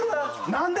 何で！？